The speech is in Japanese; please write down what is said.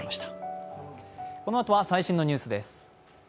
このあとは最新のニュースです。